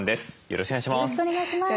よろしくお願いします。